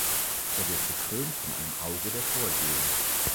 Er wird bekrönt von einem Auge der Vorsehung.